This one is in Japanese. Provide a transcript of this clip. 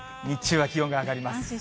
日中は気温が上がります。